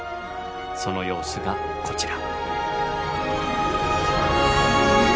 その様子がこちら。